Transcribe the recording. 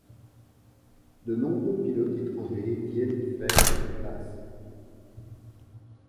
De nombreux pilotes étrangers viennent y faire leurs classes.